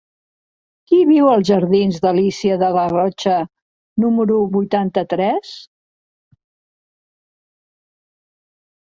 Qui viu als jardins d'Alícia de Larrocha número vuitanta-tres?